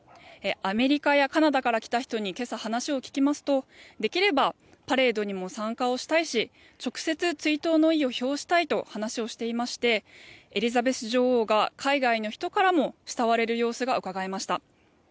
アメリカやカナダから来た人に今朝、話を聞きますとできればパレードにも参加をしたいし直接、追悼の意を表したいと話をしていましてエリザベス女王が海外の人からも慕われる様子がうかがえました。